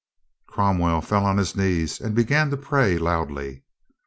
Cromwell fell on his knees and began to pray loudly.